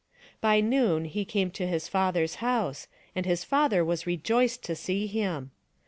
By noon he came to his father's house, and his father was rejoiced to see him.